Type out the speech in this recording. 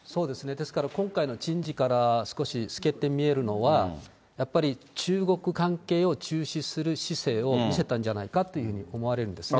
ですから、今回の人事から少し透けて見えるのは、やっぱり中国関係を重視する姿勢を見せたんじゃないかっていうふうに思われるんですね。